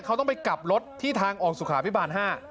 เขาต้องไปกลับรถที่ทางออกสุขาพิบาล๕